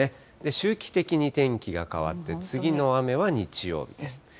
周期的に天気が変わって、次の雨は日曜日です。